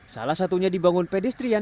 salah satunya dibangun pedestrian